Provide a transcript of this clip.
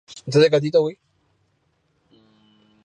Por lo general se diagnostica por medio de una biopsia intestinal.